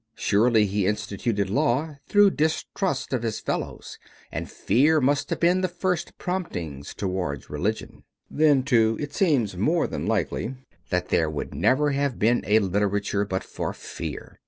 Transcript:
Surely he instituted law through distrust of his fellows. And fear must have been the first prompting toward religion. Then, too, it seems more than likely that there would never have been a literature but for fear.